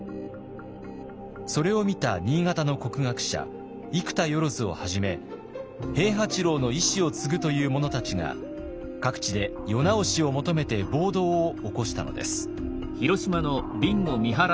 それを見た新潟の国学者生田万をはじめ平八郎の意志を継ぐという者たちが各地で世直しを求めて暴動を起こしたのです。